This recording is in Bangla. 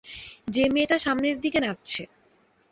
যে মেয়েটা সামনের দিকে নাচছে।